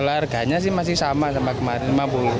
harganya sih masih sama sama kemarin lima puluh